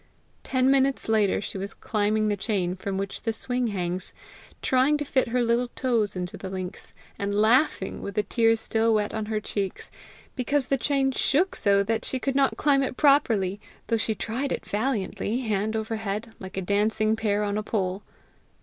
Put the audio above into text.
Ten minutes later she was climbing the chain from which the swing hangs, trying to fit her little toes into the links, and laughing, with the tears still wet on her cheeks, because the chain shook so that she could not climb it properly, though she tried it valiantly, hand over head, like a dancing bear on a pole.